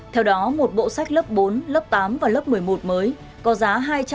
theo đó một bộ sách lớp bốn lớp tám và lớp một mươi một mới có giá hai trăm linh